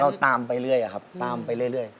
ตามไปเรื่อยครับตามไปเรื่อย